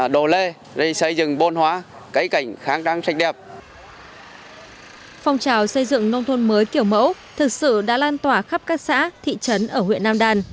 phong trào xây dựng nông thôn mới kiểu mẫu thực sự đã lan tỏa khắp các xã thị trấn ở huyện nam đàn